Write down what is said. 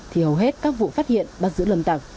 thì hầu hết các vụ phát hiện bắt giữ lâm tặc